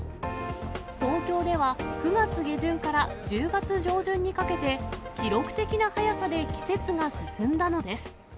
東京では９月下旬から１０月上旬にかけて、記録的な速さで季節が進んだのです。